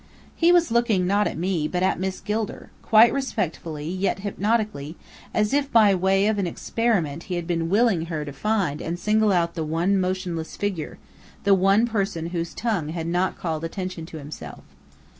He was looking, not at me, but at Miss Gilder, quite respectfully yet hypnotically, as if by way of an experiment he had been willing her to find and single out the one motionless figure, the one person whose tongue had not called attention to himself.